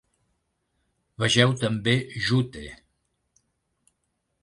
Vegeu també Jute.